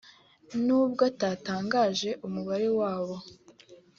n’ubwo atatangaje umubare wabo